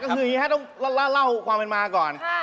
ก็คืออย่างนี้ฮะต้องเล่าความเป็นมาก่อน